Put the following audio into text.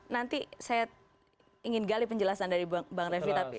nanti saya ingin gali penjelasan dari bang refli tapi